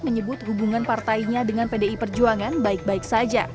menyebut hubungan partainya dengan pdi perjuangan baik baik saja